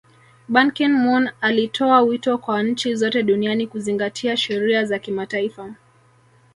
Ban Kin moon alitoa wito kwa nchi zote duniani kuzingatia sheria za kimataifa